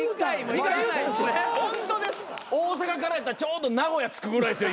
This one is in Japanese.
大阪からやったらちょうど名古屋着くぐらいですよ